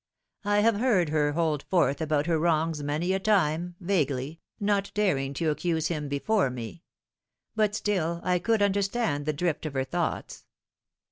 I have heard her hold forth about her wrongs many a time, vaguely, not daring to accuse him before me ; but still I could understand the drift of her thoughts.